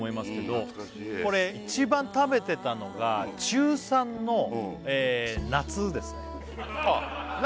懐かしいこれ一番食べてたのが中３の夏ですねあっ何？